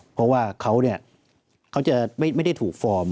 เพราะว่าเขาจะไม่ได้ถูกฟอร์ม